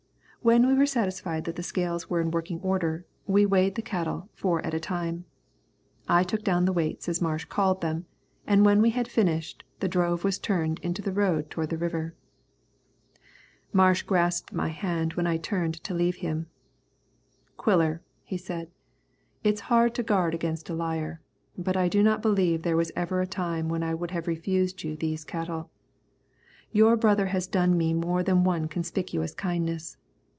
When we were satisfied that the scales were in working order, we weighed the cattle four at a time. I took down the weights as Marsh called them, and when we had finished, the drove was turned into the road toward the river. Marsh grasped my hand when I turned to leave him. "Quiller," he said, "it's hard to guard against a liar, but I do not believe there was ever a time when I would have refused you these cattle. Your brother has done me more than one conspicuous kindness.